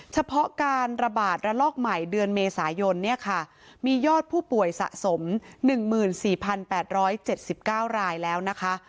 เฉพาะการระบาดระลอกใหม่เดือนเมษายนเนี่ยค่ะมียอดผู้ป่วยสะสม๑๔๘๗๙รายแล้วนะคะ